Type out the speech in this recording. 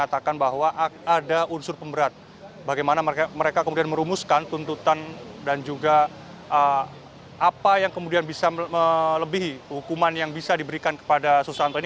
apa yang kemudian bisa melebihi hukuman yang bisa diberikan kepada susanto ini